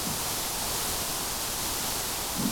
د ماشومانو غوښتنو ته باید منطقي ځواب ورکړل سي.